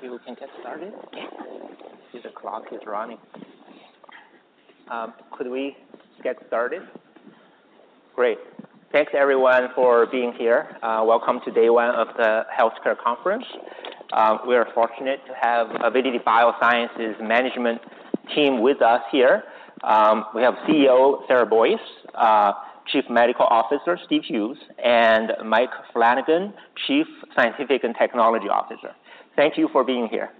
Great. Maybe we can get started? Okay, see the clock is running. Could we get started? Great. Thanks everyone for being here. Welcome to day one of the Healthcare Conference. We are fortunate to have Avidity Biosciences management team with us here. We have CEO, Sarah Boyce, Chief Medical Officer, Steve Hughes, and Mike Flanagan, Chief Scientific and Technical Officer. Thank you for being here.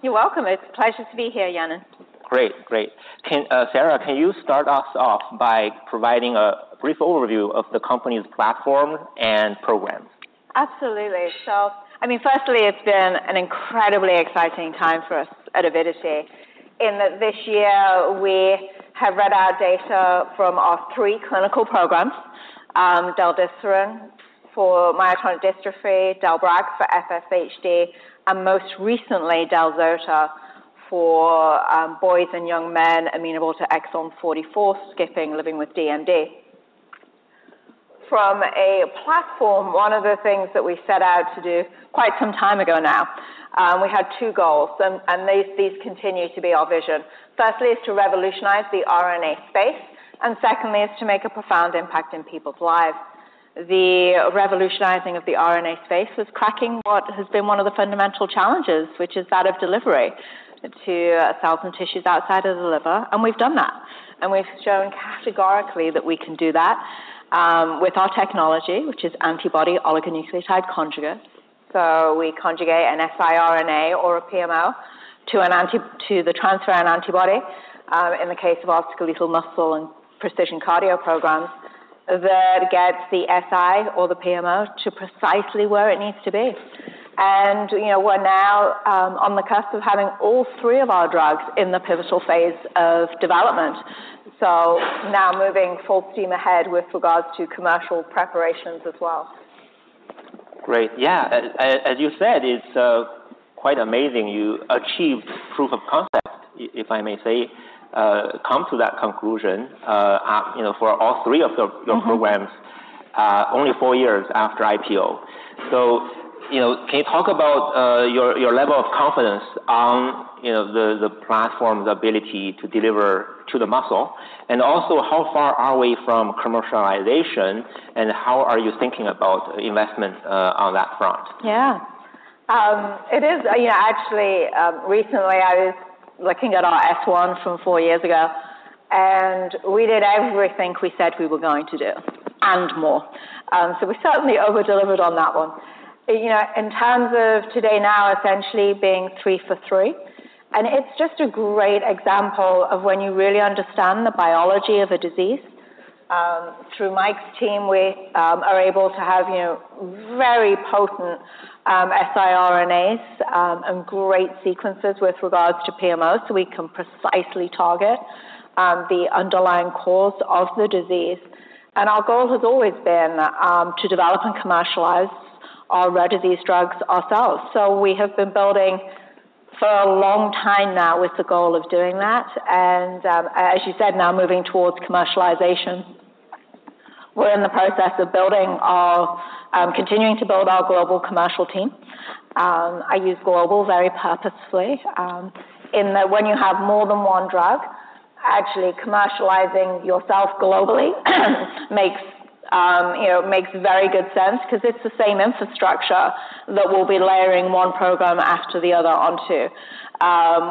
You're welcome. It's a pleasure to be here, Yanan. Great. Sarah, can you start us off by providing a brief overview of the company's platform and program? Absolutely. So I mean, firstly, it's been an incredibly exciting time for us at Avidity, in that this year we have read our data from our three clinical programs, del-desiran for myotonic dystrophy, del-brax for FSHD, and most recently, del-zota for boys and young men amenable to exon 44 skipping, living with DMD. From a platform, one of the things that we set out to do quite some time ago now, we had two goals and these continue to be our vision. Firstly, is to revolutionize the RNA space, and secondly, is to make a profound impact in people's lives. The revolutionizing of the RNA space was cracking what has been one of the fundamental challenges, which is that of delivery to a thousand tissues outside of the liver, and we've done that, and we've shown categorically that we can do that with our technology, which is Antibody Oligonucleotide Conjugates. We conjugate an siRNA or a PMO to an anti-transferrin antibody in the case of our skeletal muscle and precision cardio programs, that gets the SI or the PMO to precisely where it needs to be. You know, we're now on the cusp of having all three of our drugs in the pivotal phase of development. Now moving full steam ahead with regards to commercial preparations as well. Great. Yeah, as you said, it's quite amazing you achieved proof of concept, if I may say, come to that conclusion, you know, for all three of your- Mm-hmm... your programs, only four years after IPO. So, you know, can you talk about your level of confidence on, you know, the platform's ability to deliver to the muscle? And also, how far are we from commercialization, and how are you thinking about investment on that front? Yeah. It is, you know, actually, recently I was looking at our S-1 from four years ago, and we did everything we said we were going to do and more. So we certainly over-delivered on that one. You know, in terms of today now essentially being three for three, and it's just a great example of when you really understand the biology of a disease, through Mike's team, we are able to have, you know, very potent siRNAs, and great sequences with regards to PMO, so we can precisely target the underlying cause of the disease. And our goal has always been to develop and commercialize our rare disease drugs ourselves. So we have been building for a long time now with the goal of doing that, and, as you said, now moving towards commercialization. We're in the process of building our, continuing to build our global commercial team. I use global very purposefully, in that when you have more than one drug, actually commercializing yourself globally, you know, makes very good sense, 'cause it's the same infrastructure that we'll be layering one program after the other onto,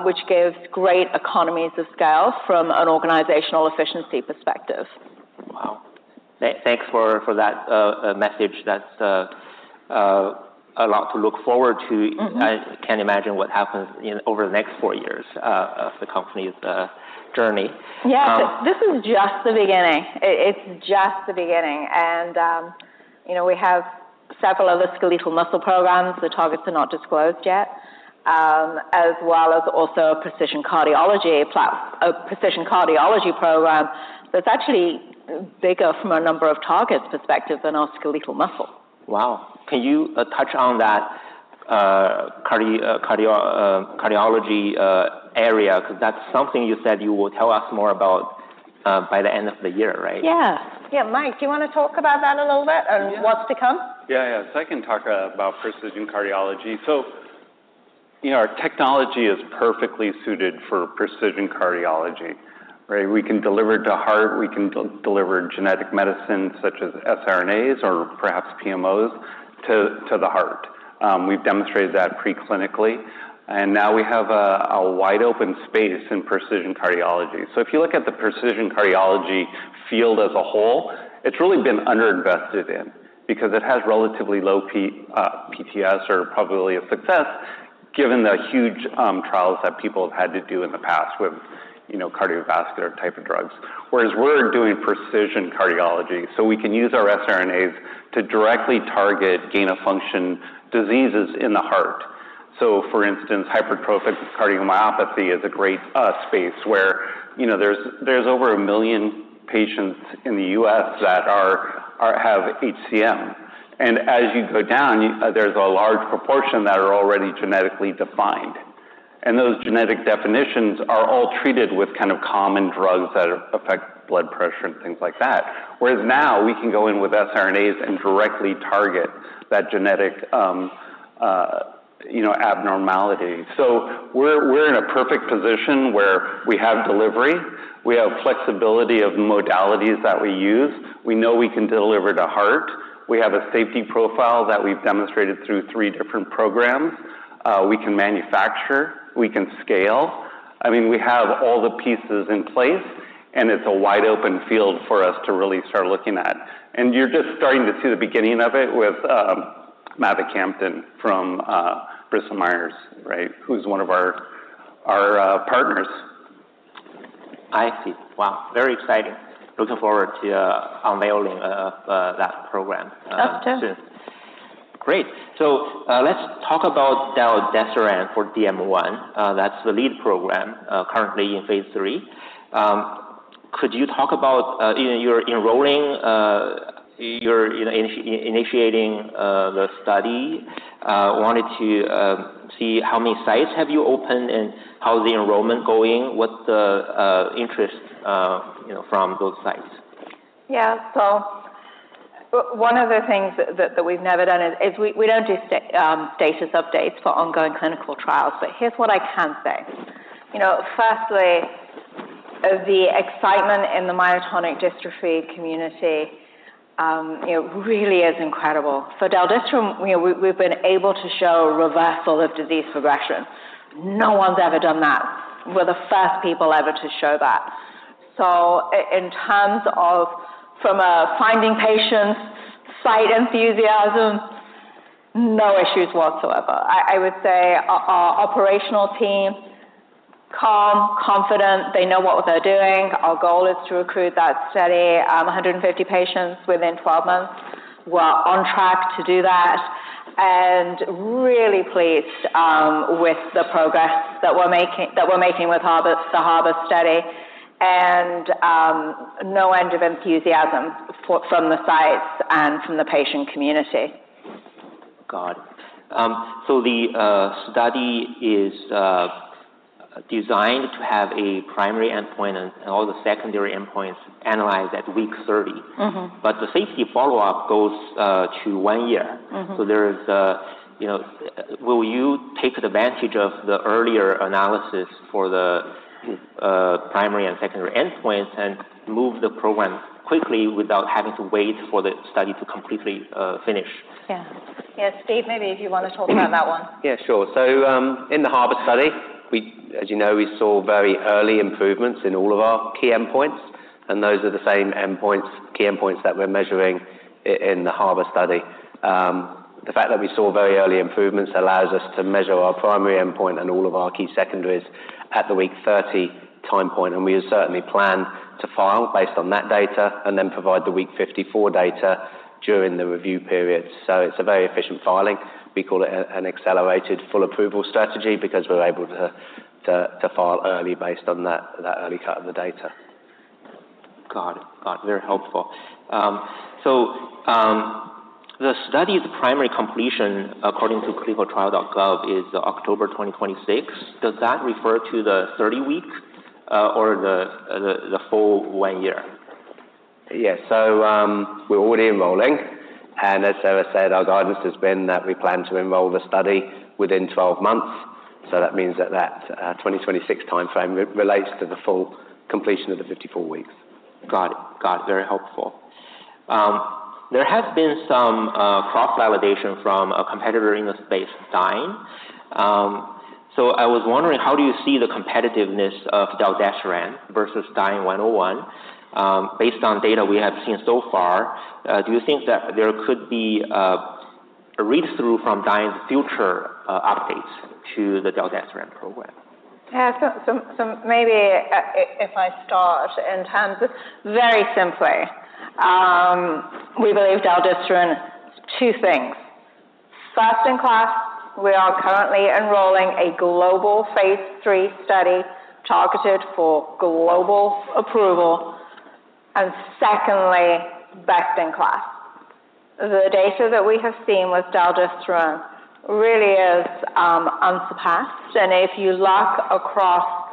which gives great economies of scale from an organizational efficiency perspective. Wow! Thanks for that message. That's a lot to look forward to. Mm-hmm. I can't imagine what happens, you know, over the next four years of the company's journey. Yeah, this is just the beginning. It's just the beginning, and, you know, we have several other skeletal muscle programs. The targets are not disclosed yet, as well as also a precision cardiology program that's actually bigger from a number of targets perspective than our skeletal muscle. Wow! Can you touch on that cardiology area? Because that's something you said you will tell us more about by the end of the year, right? Yeah. Yeah, Mike, do you wanna talk about that a little bit? Yeah. - and what's to come? Yeah, yeah. So I can talk about precision cardiology. So, you know, our technology is perfectly suited for precision cardiology, right? We can deliver it to heart, we can deliver genetic medicine such as siRNAs or perhaps PMOs, to the heart. We've demonstrated that preclinically, and now we have a wide open space in precision cardiology. So if you look at the precision cardiology field as a whole, it's really been underinvested in because it has relatively low POS, or probability of success, given the huge trials that people have had to do in the past with, you know, cardiovascular type of drugs. Whereas we're doing precision cardiology, so we can use our siRNAs to directly target gain-of-function diseases in the heart. For instance, hypertrophic cardiomyopathy is a great space where, you know, there's over a million patients in the U.S. that have HCM, and as you go down, there's a large proportion that are already genetically defined. ... and those genetic definitions are all treated with kind of common drugs that affect blood pressure and things like that. Whereas now we can go in with siRNAs and directly target that genetic, you know, abnormality. So we're, we're in a perfect position where we have delivery, we have flexibility of modalities that we use. We know we can deliver to heart. We have a safety profile that we've demonstrated through three different programs. We can manufacture, we can scale. I mean, we have all the pieces in place, and it's a wide-open field for us to really start looking at. And you're just starting to see the beginning of it with mavacamten from Bristol Myers Squibb, right, who's one of our partners. I see. Wow! Very exciting. Looking forward to unveiling that program. Us, too. Great. So, let's talk about del-desiran for DM1. That's the lead program currently in phase III. Could you talk about, you know, you're enrolling, you're, you know, initiating the study? Wanted to see how many sites have you opened, and how's the enrollment going? What's the interest, you know, from those sites? Yeah. So one of the things that we've never done is we don't do status updates for ongoing clinical trials, but here's what I can say: You know, firstly, the excitement in the myotonic dystrophy community, it really is incredible. For del-desiran, you know, we've been able to show reversal of disease progression. No one's ever done that. We're the first people ever to show that. So in terms of from finding patients, site enthusiasm, no issues whatsoever. I would say our operational team, calm, confident, they know what they're doing. Our goal is to recruit that study 150 patients within 12 months. We're on track to do that, and really pleased with the progress that we're making with HARBOR, the HARBOR study, and no end of enthusiasm from the sites and from the patient community. Got it. So the study is designed to have a primary endpoint and all the secondary endpoints analyzed at week thirty. Mm-hmm. But the safety follow-up goes to one year. Mm-hmm. So, there is, you know... Will you take advantage of the earlier analysis for the primary and secondary endpoints and move the program quickly without having to wait for the study to completely finish? Yeah. Yeah, Steve, maybe if you want to talk about that one. Yeah, sure. So, in the HARBOR study, we, as you know, we saw very early improvements in all of our key endpoints, and those are the same endpoints, key endpoints that we're measuring in the HARBOR study. The fact that we saw very early improvements allows us to measure our primary endpoint and all of our key secondaries at the week 30 time point, and we certainly plan to file based on that data and then provide the week 54 data during the review period. So it's a very efficient filing. We call it a, an accelerated full approval strategy because we're able to file early based on that early cut of the data. Got it. Got it. Very helpful. So, the study's primary completion, according to clinicaltrials.gov, is October 2026. Does that refer to the 30-week, or the full one year? Yes. So, we're already enrolling, and as Sarah said, our guidance has been that we plan to enroll the study within 12 months. So that means that 2026 timeframe relates to the full completion of the 54 weeks. Got it. Got it. Very helpful. There have been some cross-validation from a competitor in the space, Dyne. So I was wondering, how do you see the competitiveness of del-desiran versus DYNE-101? Based on data we have seen so far, do you think that there could be a read-through from Dyne's future updates to the del-desiran program? If I start in terms. Very simply, we believe del-desiran, two things: First in class, we are currently enrolling a global phase III study targeted for global approval, and secondly, best in class. The data that we have seen with del-desiran really is unsurpassed, and if you look across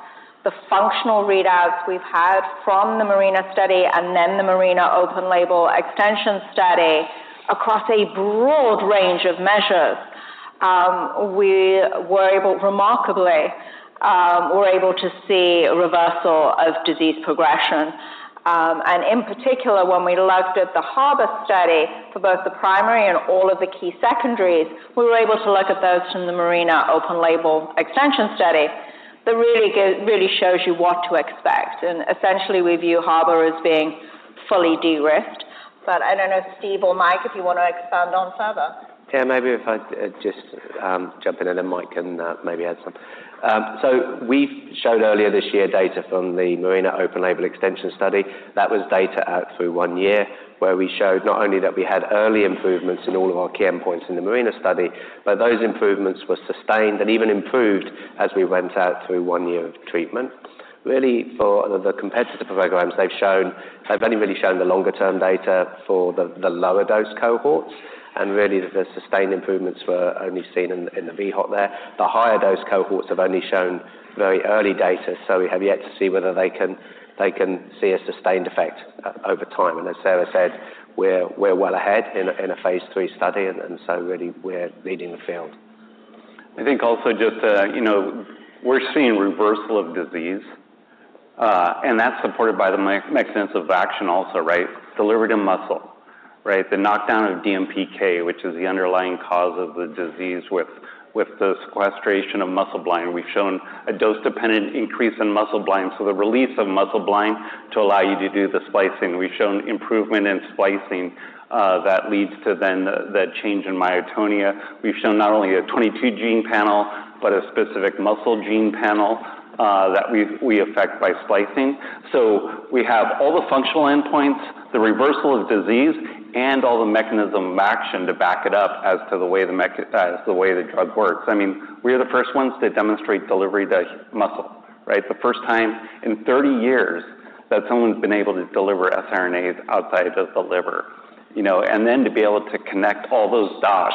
the functional readouts we've had from the MARINA study and then the MARINA open label extension study across a broad range of measures, we were remarkably able to see reversal of disease progression. And in particular, when we looked at the HARBOR study for both the primary and all of the key secondaries, we were able to look at those from the MARINA open label extension study. That really shows you what to expect, and essentially, we view HARBOR as being fully de-risked. But I don't know if Steve or Mike, if you want to expand on further. Yeah, maybe if I just jump in, and then Mike can maybe add some. So we showed earlier this year data from the MARINA open-label extension study. That was data out through one year, where we showed not only that we had early improvements in all of our key endpoints in the MARINA study, but those improvements were sustained and even improved as we went out through one year of treatment. Really, for the competitive programs they've shown, they've only really shown the longer-term data for the lower dose cohorts, and really, the sustained improvements were only seen in the low end there. The higher dose cohorts have only shown very early data, so we have yet to see whether they can see a sustained effect over time. As Sarah said, we're well ahead in a phase III study, and so really we're leading the field. I think also just, you know, we're seeing reversal of disease, and that's supported by the mechanisms of action also, right? Delivered in muscle, right? The knockdown of DMPK, which is the underlying cause of the disease with the sequestration of Muscleblind. We've shown a dose-dependent increase in Muscleblind, so the release of Muscleblind to allow you to do the splicing. We've shown improvement in splicing that leads to then the change in myotonia. We've shown not only a 22 gene panel, but a specific muscle gene panel that we affect by splicing. So we have all the functional endpoints, the reversal of disease, and all the mechanism of action to back it up as to the way the drug works. I mean, we are the first ones to demonstrate delivery to muscle, right? The first time in thirty years that someone's been able to deliver RNAs outside of the liver, you know, and then to be able to connect all those dots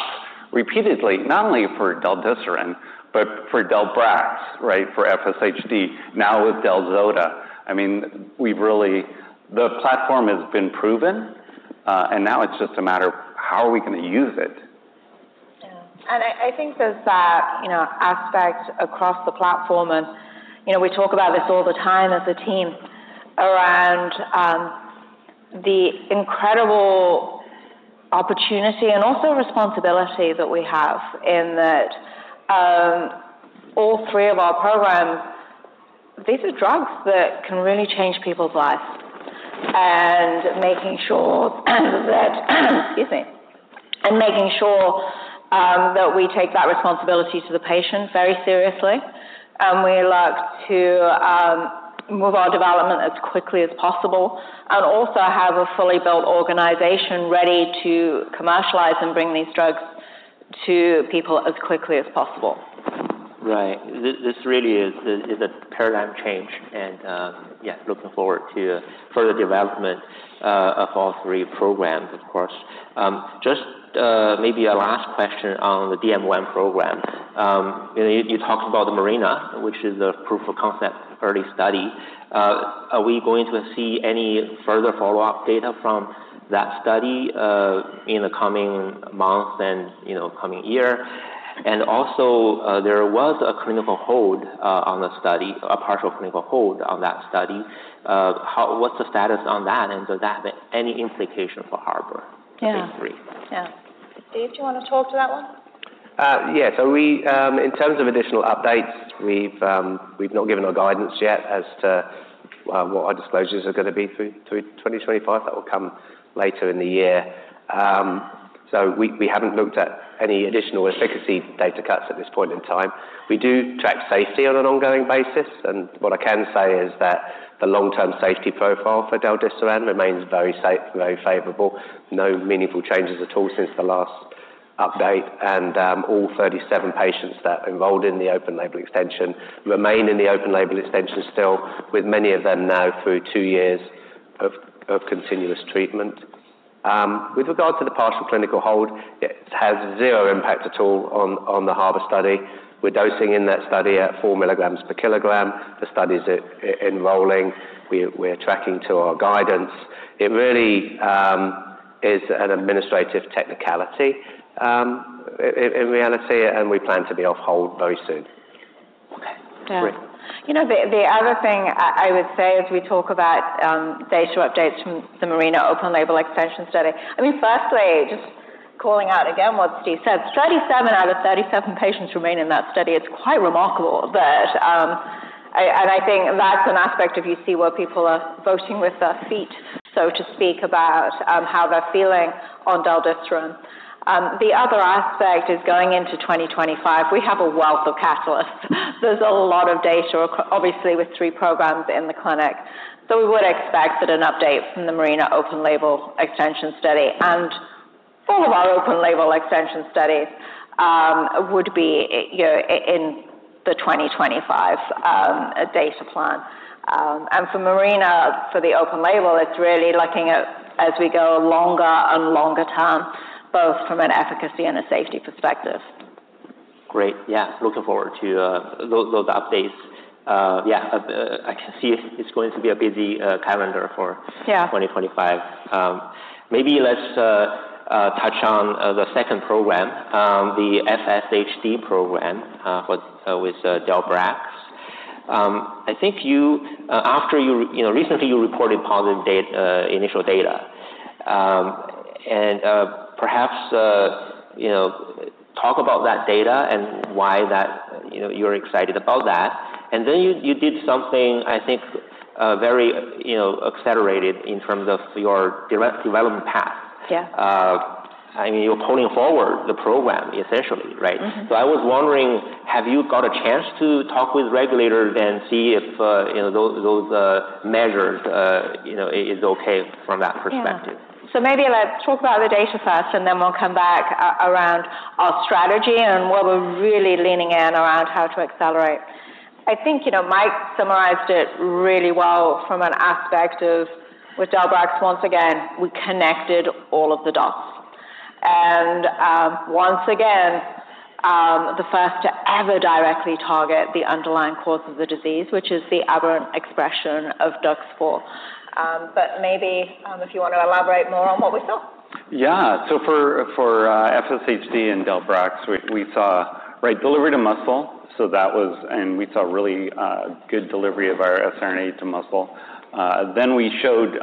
repeatedly, not only for del-desiran, but for del-brax, right, for FSHD, now with del-zota. I mean, we've really... The platform has been proven, and now it's just a matter of how are we gonna use it. Yeah. And I think there's that, you know, aspect across the platform, and, you know, we talk about this all the time as a team, around the incredible opportunity and also responsibility that we have in that, all three of our programs, these are drugs that can really change people's lives. And making sure that, excuse me, and making sure that we take that responsibility to the patient very seriously, and we look to move our development as quickly as possible, and also have a fully built organization ready to commercialize and bring these drugs to people as quickly as possible. Right. This really is a paradigm change, and yeah, looking forward to further development of all three programs, of course. Just maybe a last question on the DM1 program. You know, you talked about the MARINA, which is a proof of concept early study. Are we going to see any further follow-up data from that study in the coming months and, you know, coming year? And also, there was a clinical hold on the study, a partial clinical hold on that study. What's the status on that, and does that have any implication for HARBOR phase III? Yeah. Yeah. Steve, do you wanna talk to that one? Yeah. So we in terms of additional updates, we've not given our guidance yet as to what our disclosures are gonna be through 2025. That will come later in the year. So we haven't looked at any additional efficacy data cuts at this point in time. We do track safety on an ongoing basis, and what I can say is that the long-term safety profile for del-desiran remains very safe, very favorable. No meaningful changes at all since the last update, and all 37 patients that enrolled in the open-label extension remain in the open-label extension still, with many of them now through two years of continuous treatment. With regard to the partial clinical hold, it has zero impact at all on the HARBOR study. We're dosing in that study at four milligrams per kilogram. The study's enrolling. We're tracking to our guidance. It really is an administrative technicality in reality, and we plan to be off hold very soon. Okay. Yeah. You know, the other thing I would say as we talk about data updates from the MARINA open-label extension study, I mean, firstly, just calling out again what Steve said, 37 out of 37 patients remain in that study. It's quite remarkable that, and I think that's an aspect of you see where people are voting with their feet, so to speak, about how they're feeling on del-desiran. The other aspect is, going into twenty twenty-five, we have a wealth of catalysts. There's a lot of data, obviously, with three programs in the clinic. So we would expect that an update from the MARINA open-label extension study and all of our open-label extension studies would be you know, in the 2025 data plan. And for MARINA, for the open label, it's really looking at, as we go longer and longer term, both from an efficacy and a safety perspective. Great. Yeah, looking forward to those updates. Yeah, I can see it's going to be a busy calendar for- Yeah... 2025. Maybe let's touch on the second program, the FSHD program, with del-brax. I think you, after you... You know, recently, you reported positive data, initial data. And perhaps you know, talk about that data and why that, you know, you're excited about that. And then you, you did something, I think, very you know, accelerated in terms of your drug development path. Yeah. I mean, you're pulling forward the program essentially, right? Mm-hmm. So I was wondering, have you got a chance to talk with regulators and see if, you know, those measures, you know, is okay from that perspective? Yeah. So maybe let's talk about the data first, and then we'll come back around our strategy and what we're really leaning in around how to accelerate. I think, you know, Mike summarized it really well from an aspect of, with del-brax, once again, we connected all of the dots. And, once again, the first to ever directly target the underlying cause of the disease, which is the aberrant expression of DUX4. But maybe, if you want to elaborate more on what we saw? Yeah. So for FSHD and del-brax, we saw, right, delivery to muscle. So that was and we saw really good delivery of our siRNA to muscle. Then we showed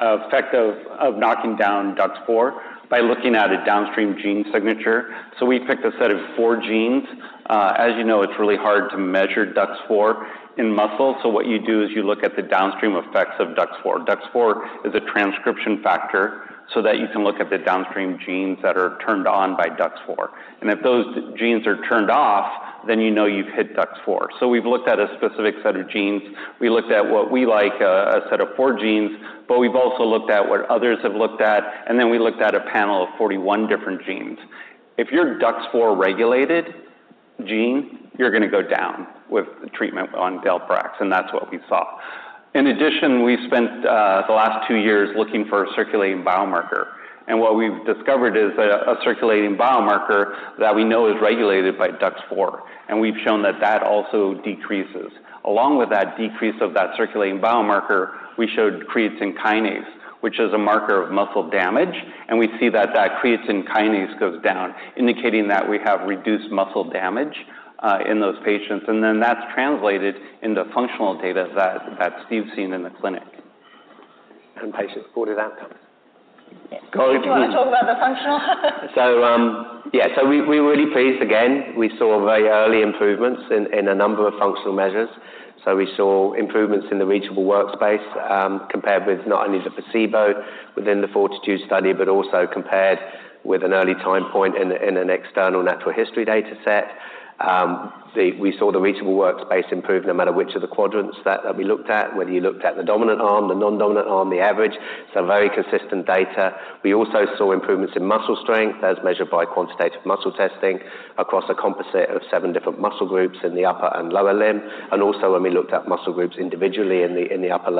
effect of knocking down DUX4 by looking at a downstream gene signature. So we picked a set of four genes. As you know, it's really hard to measure DUX4 in muscle, so what you do is you look at the downstream effects of DUX4. DUX4 is a transcription factor, so that you can look at the downstream genes that are turned on by DUX4. And if those genes are turned off, then you know you've hit DUX4. So we've looked at a specific set of genes. We looked at what we like, a set of four genes, but we've also looked at what others have looked at, and then we looked at a panel of 41 different genes. If you're DUX4 regulated gene, you're gonna go down with treatment on del-brax, and that's what we saw. In addition, we spent the last two years looking for a circulating biomarker, and what we've discovered is a circulating biomarker that we know is regulated by DUX4, and we've shown that that also decreases. Along with that decrease of that circulating biomarker, we showed creatine kinase, which is a marker of muscle damage, and we see that that creatine kinase goes down, indicating that we have reduced muscle damage in those patients, and then that's translated into functional data that Steve's seen in the clinic. Patient-reported outcome. Yes. Got it. Do you wanna talk about the functional? We’re really pleased. Again, we saw very early improvements in a number of functional measures. We saw improvements in the reachable workspace, compared with not only the placebo within the FORTITUDE study, but also compared with an early time point in an external natural history dataset. We saw the reachable workspace improve no matter which of the quadrants that we looked at, whether you looked at the dominant arm, the non-dominant arm, the average, so very consistent data. We also saw improvements in muscle strength as measured by quantitative muscle testing across a composite of seven different muscle groups in the upper and lower limb. Also, when we looked at muscle groups individually in the upper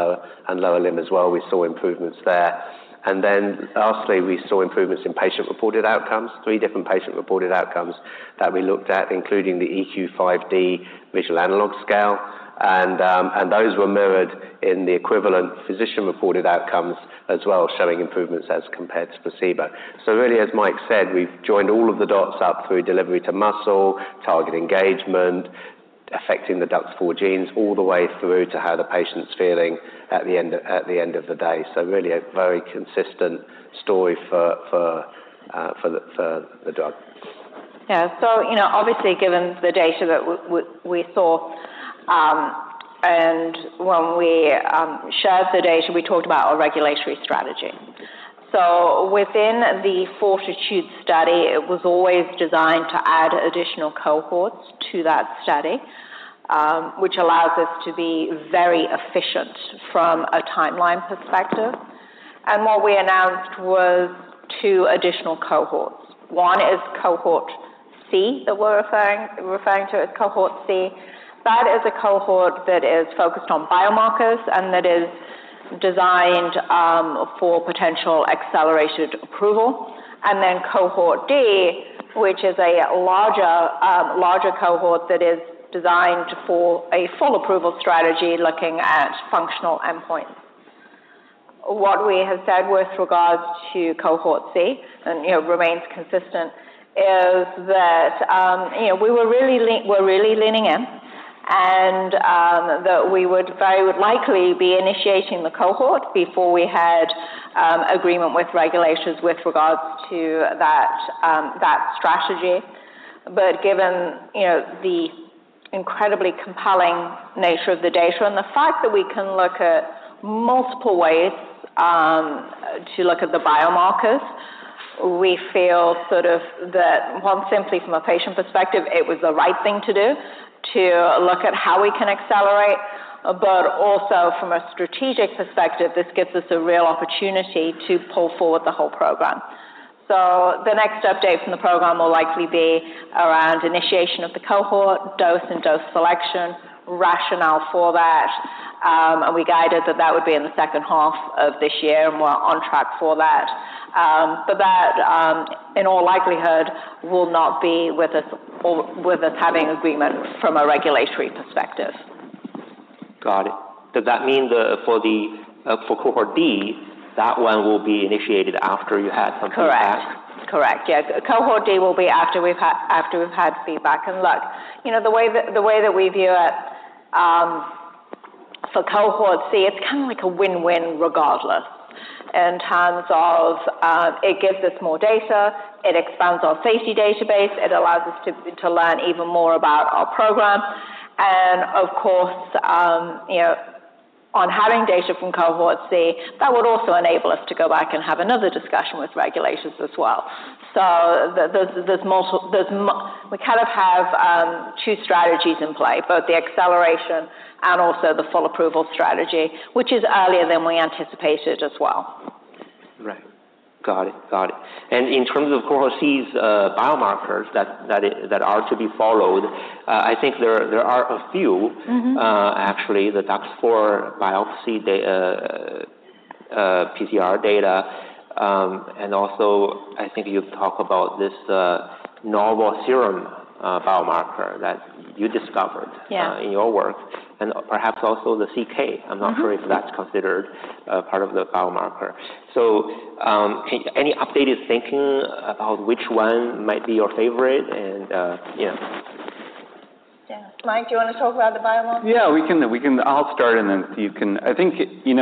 and lower limb as well, we saw improvements there. And then lastly, we saw improvements in patient-reported outcomes, three different patient-reported outcomes that we looked at, including the EQ-5D visual analog scale. And those were mirrored in the equivalent physician-reported outcomes as well, showing improvements as compared to placebo. So really, as Mike said, we've joined all of the dots up through delivery to muscle, target engagement, affecting the DUX4 genes, all the way through to how the patient's feeling at the end of the day. So really a very consistent story for the drug. Yeah. So, you know, obviously, given the data that we saw, and when we shared the data, we talked about our regulatory strategy. So within the FORTITUDE study, it was always designed to add additional cohorts to that study, which allows us to be very efficient from a timeline perspective. And what we announced was two additional cohorts. One is Cohort C, that we're referring to as Cohort C. That is a cohort that is focused on biomarkers and that is designed for potential accelerated approval. And then Cohort D, which is a larger cohort that is designed for a full approval strategy, looking at functional endpoints. What we have said with regards to Cohort C, and, you know, remains consistent, is that, you know, we're really leaning in, and, that we would very likely be initiating the cohort before we had agreement with regulators with regards to that strategy. But given, you know, the incredibly compelling nature of the data and the fact that we can look at multiple ways to look at the biomarkers, we feel sort of that, one, simply from a patient perspective, it was the right thing to do to look at how we can accelerate. But also from a strategic perspective, this gives us a real opportunity to pull forward the whole program. So the next update from the program will likely be around initiation of the cohort, dose and dose selection, rationale for that. And we guided that that would be in the second half of this year, and we're on track for that. But that, in all likelihood, will not be with us or with us having agreement from a regulatory perspective. Got it. Does that mean for the Cohort D, that one will be initiated after you had something back? Correct. Correct, yeah. Cohort D will be after we've had feedback. And look, you know, the way that we view it, for Cohort C, it's kind of like a win-win regardless, in terms of, it gives us more data, it expands our safety database, it allows us to learn even more about our program. And of course, you know, on having data from Cohort C, that would also enable us to go back and have another discussion with regulators as well. So we kind of have two strategies in play, both the acceleration and also the full approval strategy, which is earlier than we anticipated as well. Right. Got it. Got it. And in terms of Cohort C's biomarkers that are to be followed, I think there are a few- Mm-hmm. Actually, the DUX4 biopsy data, and also, I think you've talked about this.... normal serum biomarker that you discovered- Yeah. In your work, and perhaps also the CK. Mm-hmm. I'm not sure if that's considered part of the biomarker. So, any updated thinking about which one might be your favorite? Yeah. Mike, do you want to talk about the biomarker? Yeah, we can. I'll start and then you can. I think, you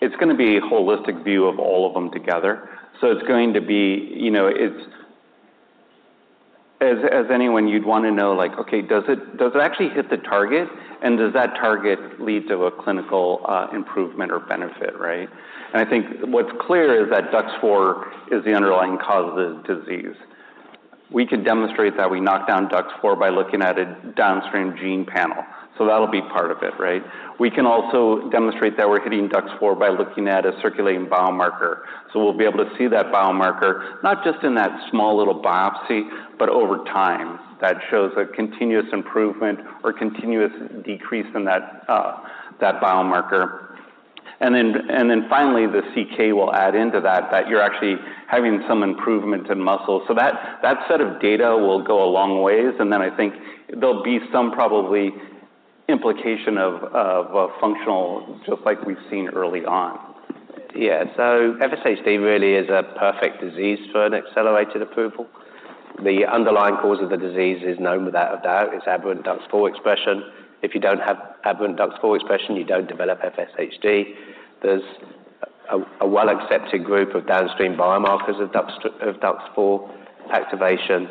know, it's gonna be a holistic view of all of them together. So it's going to be, you know, as anyone, you'd want to know, like, okay, does it actually hit the target? And does that target lead to a clinical improvement or benefit, right? And I think what's clear is that DUX4 is the underlying cause of the disease. We can demonstrate that we knock down DUX4 by looking at a downstream gene panel. So that'll be part of it, right? We can also demonstrate that we're hitting DUX4 by looking at a circulating biomarker. So we'll be able to see that biomarker, not just in that small little biopsy, but over time. That shows a continuous improvement or continuous decrease in that biomarker. And then, and then finally, the CK will add into that, that you're actually having some improvement in muscle. So that, that set of data will go a long ways, and then I think there'll be some probably implication of a functional, just like we've seen early on. Yeah. So FSHD really is a perfect disease for an accelerated approval. The underlying cause of the disease is known without a doubt. It's aberrant DUX4 expression. If you don't have aberrant DUX4 expression, you don't develop FSHD. There's a well-accepted group of downstream biomarkers of DUX4 activation.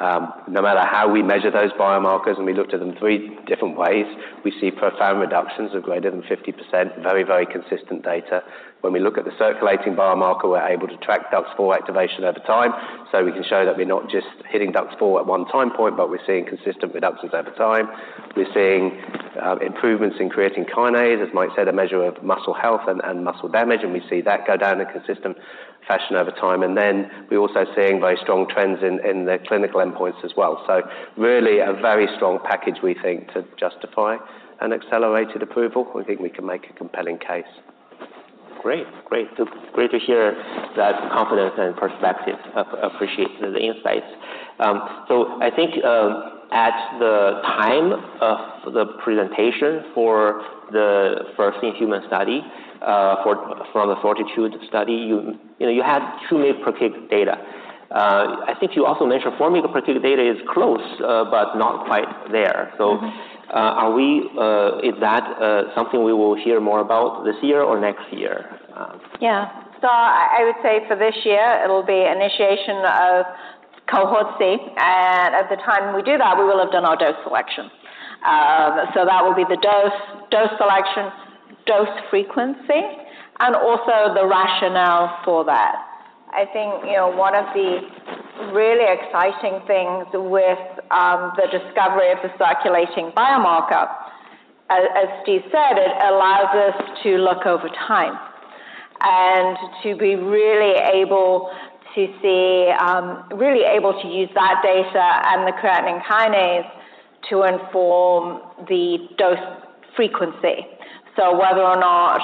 No matter how we measure those biomarkers, and we looked at them three different ways, we see profound reductions of greater than 50%. Very, very consistent data. When we look at the circulating biomarker, we're able to track DUX4 activation over time. We can show that we're not just hitting DUX4 at one time point, but we're seeing consistent reductions over time. We're seeing improvements in creatine kinase, as Mike said, a measure of muscle health and muscle damage, and we see that go down in a consistent fashion over time. Then we're also seeing very strong trends in the clinical endpoints as well. Really a very strong package, we think, to justify an accelerated approval. We think we can make a compelling case. Great. So great to hear that confidence and perspective. Appreciate the insights. So I think at the time of the presentation for the first human study for the FORTITUDE study, you know, you had two-month PET data. I think you also mentioned four-month PET data is close, but not quite there. Mm-hmm. Is that something we will hear more about this year or next year? Yeah. So I would say for this year, it'll be initiation of Cohort C, and at the time we do that, we will have done our dose selection. So that will be the dose selection, dose frequency, and also the rationale for that. I think, you know, one of the really exciting things with the discovery of the circulating biomarker, as Steve said, it allows us to look over time and to be really able to see really able to use that data and the creatine kinase to inform the dose frequency. So whether or not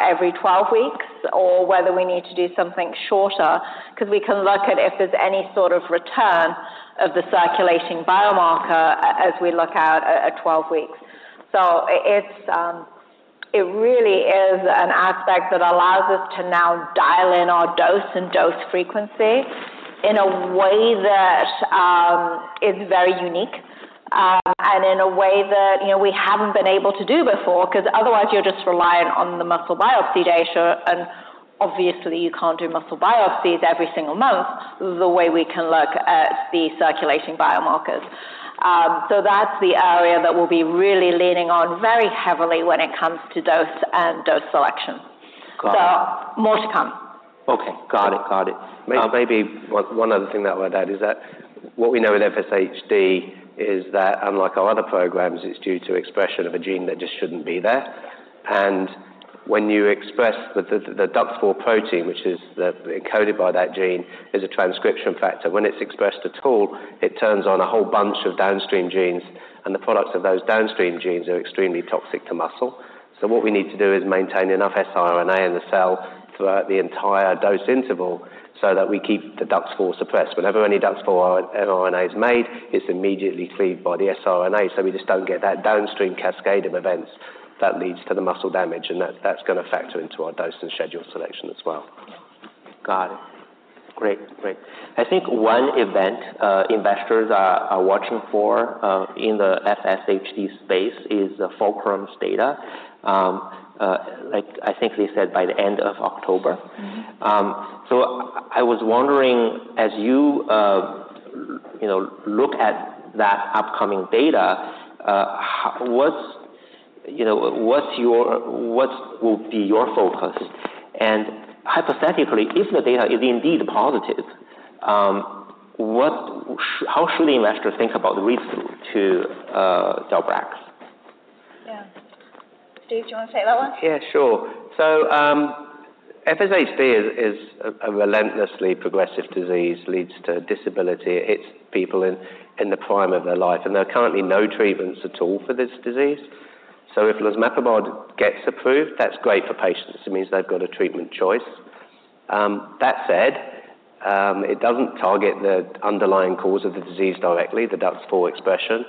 every 12 weeks or whether we need to do something shorter, because we can look at if there's any sort of return of the circulating biomarker as we look out at 12 weeks. So it really is an aspect that allows us to now dial in our dose and dose frequency in a way that is very unique, and in a way that, you know, we haven't been able to do before, 'cause otherwise you're just relying on the muscle biopsy data, and obviously you can't do muscle biopsies every single month, the way we can look at the circulating biomarkers. So that's the area that we'll be really leaning on very heavily when it comes to dose and dose selection. Got it. So more to come. Okay. Got it, got it. Maybe one, one other thing that I would add is that what we know with FSHD is that unlike our other programs, it's due to expression of a gene that just shouldn't be there. And when you express the DUX4 protein, which is encoded by that gene, is a transcription factor. When it's expressed at all, it turns on a whole bunch of downstream genes, and the products of those downstream genes are extremely toxic to muscle. So what we need to do is maintain enough siRNA in the cell throughout the entire dose interval so that we keep the DUX4 suppressed. Whenever any DUX4 siRNA is made, it's immediately freed by the siRNA, so we just don't get that downstream cascade of events that leads to the muscle damage, and that's going to factor into our dose and schedule selection as well. Got it. Great. Great. I think one event investors are watching for in the FSHD space is the Fulcrum's data. Like, I think they said by the end of October. Mm-hmm. I was wondering, as you, you know, look at that upcoming data, how... what's, you know, what's your -- what will be your focus? And hypothetically, if the data is indeed positive, what... how should the investor think about the risk to, del-brax? Yeah. Steve, do you want to take that one? Yeah, sure, so FSHD is a relentlessly progressive disease, leads to disability. It hits people in the prime of their life, and there are currently no treatments at all for this disease. If losmapimod gets approved, that's great for patients. It means they've got a treatment choice. That said, it doesn't target the underlying cause of the disease directly, the DUX4 expression,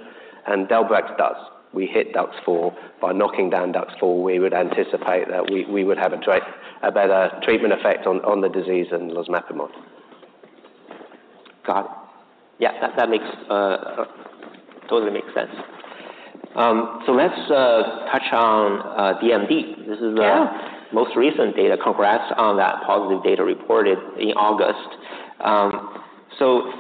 and del-brax DUX4, we hit DUX4. By knocking down DUX4, we would anticipate that we would have a better treatment effect on the disease than losmapimod. Got it. Yeah, that totally makes sense. So let's touch on DMD. Yeah. This is the most recent data. Congrats on that positive data reported in August. So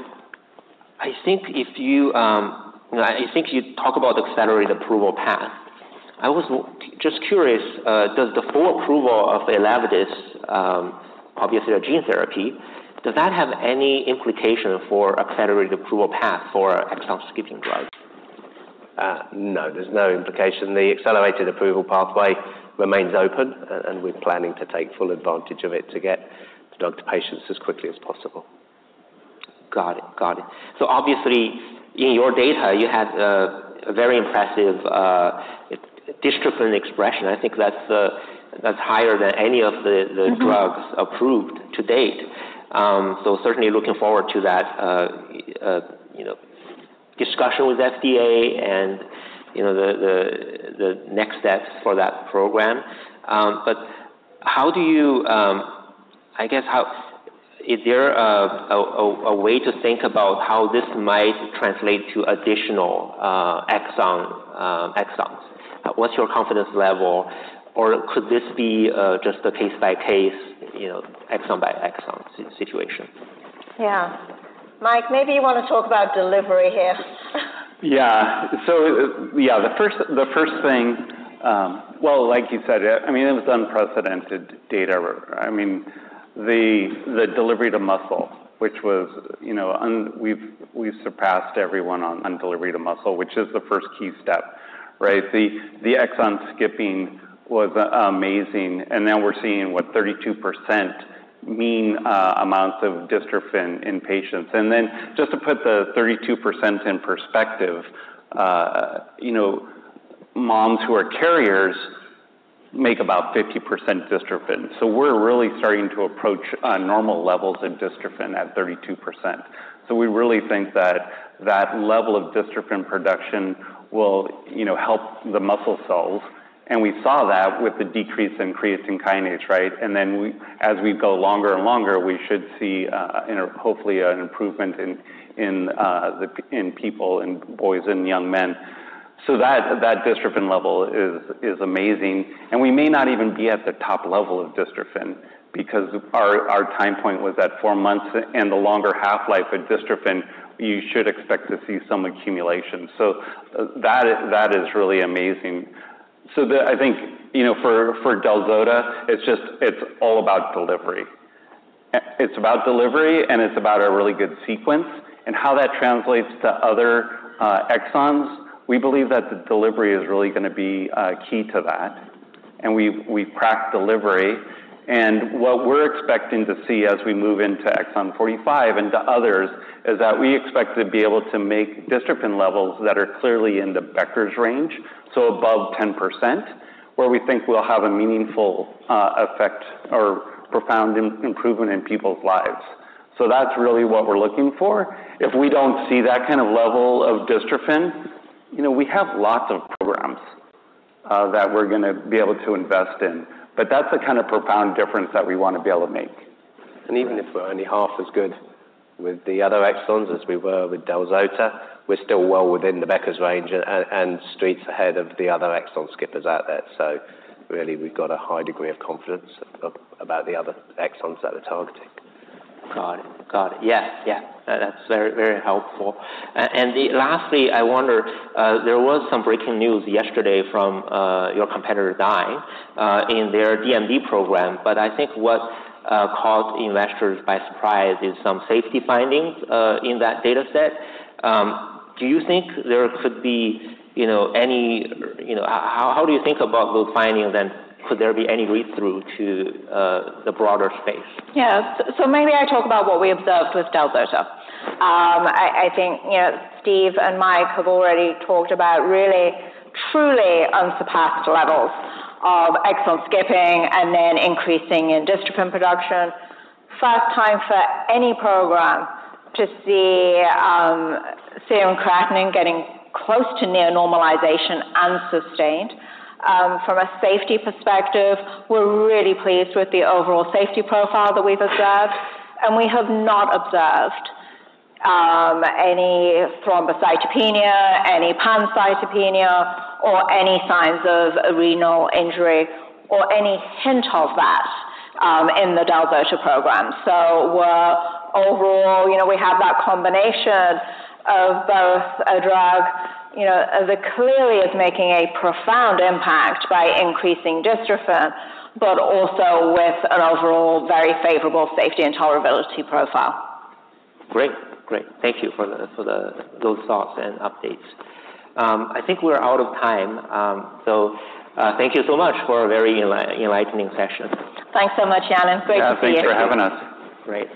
I think if you, you know, I think you talk about the accelerated approval path. I was just curious, does the full approval of the Elevidys, obviously a gene therapy, does that have any implication for accelerated approval path for exon skipping drugs? No, there's no implication. The accelerated approval pathway remains open, and we're planning to take full advantage of it to get the drug to patients as quickly as possible. Got it. Got it. So obviously, in your data, you had a very impressive dystrophin expression. I think that's higher than any of the, the- Mm-hmm... drugs approved to date. So certainly looking forward to that, you know, discussion with FDA and, you know, the next steps for that program. But how do you... I guess, how is there a way to think about how this might translate to additional, exon, exons? What's your confidence level? Or could this be just a case-by-case, you know, exon-by-exon situation? Yeah. Mike, maybe you wanna talk about delivery here. Yeah. So, yeah, the first thing, well, like you said, I mean, it was unprecedented data. I mean, the delivery to muscle, which was, you know, and we've surpassed everyone on delivery to muscle, which is the first key step, right? The exon skipping was amazing, and now we're seeing, what? 32% mean amounts of dystrophin in patients. And then just to put the 32% in perspective, you know, moms who are carriers make about 50% dystrophin. So we're really starting to approach normal levels of dystrophin at 32%. So we really think that that level of dystrophin production will, you know, help the muscle cells, and we saw that with the decrease in creatine kinase, right? Then we as we go longer and longer, we should see, you know, hopefully an improvement in people, in boys and young men. That dystrophin level is amazing, and we may not even be at the top level of dystrophin because our time point was at four months. The longer half-life of dystrophin, you should expect to see some accumulation. That is really amazing. The I think, you know, for del-zota, it's just, it's all about delivery. It's about delivery, and it's about a really good sequence, and how that translates to other exons, we believe that the delivery is really gonna be key to that, and we've cracked delivery. And what we're expecting to see as we move into exon 45 and to others is that we expect to be able to make dystrophin levels that are clearly in the Becker's range, so above 10%, where we think we'll have a meaningful effect or profound improvement in people's lives. So that's really what we're looking for. If we don't see that kind of level of dystrophin, you know, we have lots of programs that we're gonna be able to invest in, but that's the kind of profound difference that we wanna be able to make. Even if we're only half as good with the other exons as we were with del-zota, we're still well within the Becker's range and streets ahead of the other exon skippers out there. So really, we've got a high degree of confidence about the other exons that we're targeting. Got it. Got it. Yes. Yeah, that's very, very helpful. And lastly, I wonder, there was some breaking news yesterday from your competitor, Dyne, in their DMD program, but I think what caught investors by surprise is some safety findings in that data set. Do you think there could be, you know, any, you know... How do you think about those findings, and could there be any read-through to the broader space? Yeah. So maybe I talk about what we observed with del-zota. I think, you know, Steve and Mike have already talked about really, truly unsurpassed levels of exon skipping and then increasing in dystrophin production. First time for any program to see serum creatine kinase getting close to near normalization and sustained. From a safety perspective, we're really pleased with the overall safety profile that we've observed, and we have not observed any thrombocytopenia, any pancytopenia, or any signs of renal injury or any hint of that in the del-zota program. So we're, overall, you know, we have that combination of both a drug, you know, that clearly is making a profound impact by increasing dystrophin, but also with an overall very favorable safety and tolerability profile. Great. Great. Thank you for those thoughts and updates. I think we're out of time, so thank you so much for a very enlightening session. Thanks so much, Yanan. Great to see you. Yeah, thanks for having us. Great.